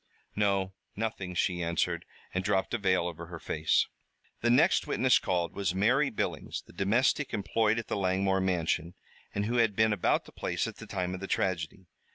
"No, nothing," she answered, and dropped a veil over her face. The next witness called was Mary Billings, the domestic employed at the Langmore mansion, and who had been about the place at the time of the tragedy.